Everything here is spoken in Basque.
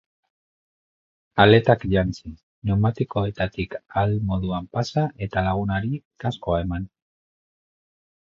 Aletak jantzi, pneumatikoetatik ahal moduan pasa eta lagunari kaskoa eman.